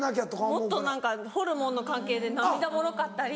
もっと何かホルモンの関係で涙もろかったり。